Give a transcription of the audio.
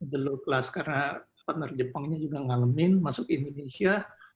the low class karena partner jepangnya juga ngalamin masuk indonesia